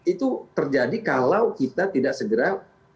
itu terjadi kalau kita tidak segera